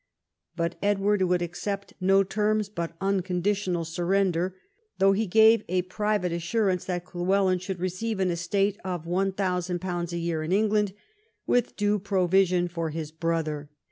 But Edward would accept no terms but unconditional surrender, though he gave a private assurance that Llywelyn should receive an estate of £1000 a year in England, with due provision for his brother.